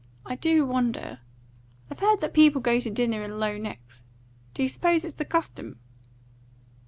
I do wonder I've heard that people go to dinner in low necks. Do you suppose it's the custom?"